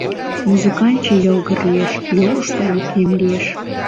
Музыканче йылгыр лиеш, йолыштыжо кем лиеш.